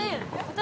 私。